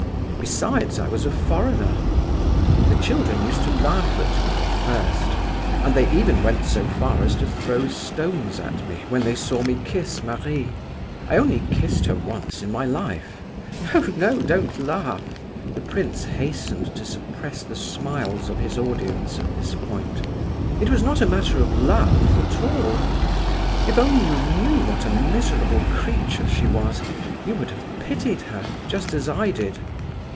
Besides, I was a foreigner. The children used to laugh at me, at first; and they even went so far as to throw stones at me, when they saw me kiss Marie. I only kissed her once in my life—no, no, don't laugh!" The prince hastened to suppress the smiles of his audience at this point. "It was not a matter of love at all! If only you knew what a miserable creature she was, you would have pitied her, just as I did.